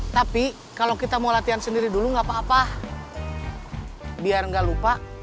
tapi kalau kita mau latihan sendiri dulu gak apa apa